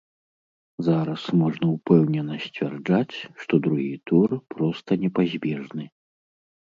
Зараз можна ўпэўнена сцвярджаць, што другі тур проста непазбежны.